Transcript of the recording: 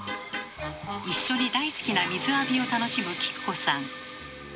一緒に大好きな水浴びを楽しむキク子さん。